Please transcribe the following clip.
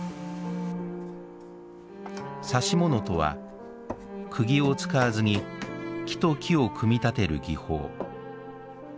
指物とは釘を使わずに木と木を組み立てる技法。